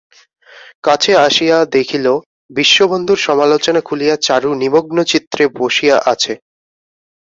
কাছে আসিয়া দেখিল, বিশ্ববন্ধুর সমালোচনা খুলিয়া চারু নিমগ্নচিত্তে বসিয়া আছে।